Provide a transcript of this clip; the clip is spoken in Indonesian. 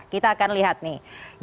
kita akan lihat nih